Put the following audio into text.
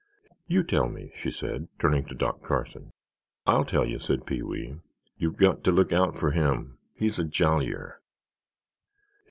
"You tell me," she said, turning to Doc Carson. "I'll tell you," said Pee wee; "you've got to look out for him, he's a jollier.